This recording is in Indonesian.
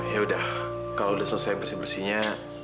yaudah kalau udah selesai bersih bersihnya